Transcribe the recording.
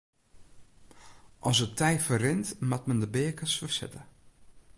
As it tij ferrint moat men de beakens fersette.